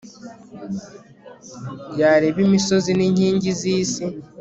yareba imisozi n'inkingi z'isi